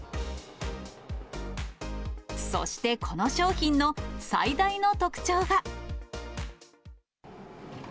そしてこの商品の最大の特徴が。